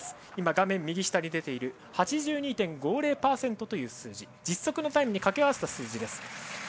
今、画面右下に出ている８２．５０％という数字実測のタイムにかけ合わせた数字です。